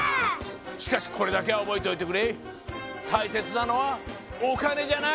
しかしコレだけはおぼえておいてくれ。